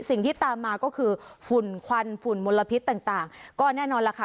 สิ่งที่ตามมาก็คือฝุ่นควันฝุ่นมลพิษต่างต่างก็แน่นอนล่ะค่ะ